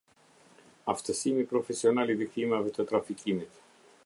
Aftësimi profesional i viktimave të trafikimit.